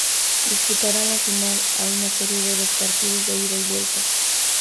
Disputarán la final, a una serie de dos partidos, de ida y vuelta.